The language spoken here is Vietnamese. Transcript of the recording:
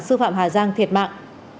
sư phạm hà giang thiệt mạng